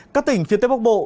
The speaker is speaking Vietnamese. các tỉnh phía tây bắc bộ